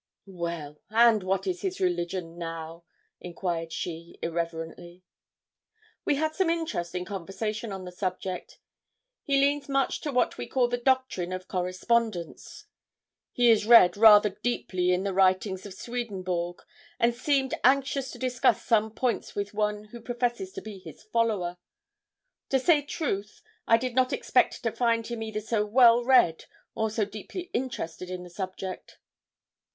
'Well; and what is his religion now?' inquired she, irreverently. 'We had some interesting conversation on the subject. He leans much to what we call the doctrine of correspondents. He is read rather deeply in the writings of Swedenborg, and seemed anxious to discuss some points with one who professes to be his follower. To say truth, I did not expect to find him either so well read or so deeply interested in the subject.'